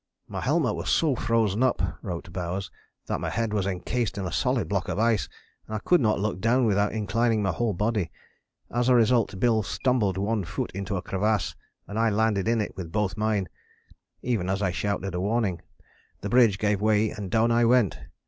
" "My helmet was so frozen up," wrote Bowers, "that my head was encased in a solid block of ice, and I could not look down without inclining my whole body. As a result Bill stumbled one foot into a crevasse and I landed in it with both mine [even as I shouted a warning ], the bridge gave way and down I went.